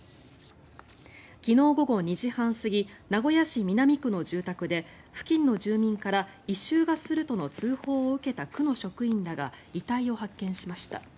昨日午後２時半過ぎ名古屋市南区の住宅で付近の住民から異臭がするとの通報を受けた区の職員らが遺体を発見しました。